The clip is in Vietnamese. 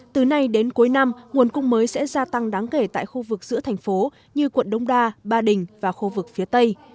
từ nay đến cuối năm nguồn cung mới sẽ gia tăng đáng kể tại khu vực giữa thành phố như quận đông đa ba đình và khu vực phía tây